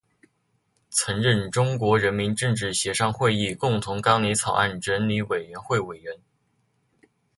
曾任中国人民政治协商会议共同纲领草案整理委员会委员。